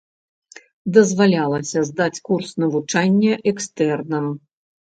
Дазвалялася здаць курс навучання экстэрнам.